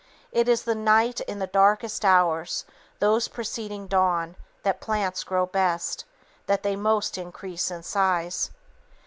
It is at night, in the darkest hours, those preceding dawn, that plants grow best, that they most increase in size.